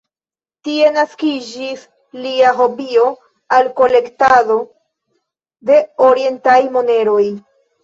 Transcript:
Tie naskiĝis lia hobio al kolektado de orientaj moneroj.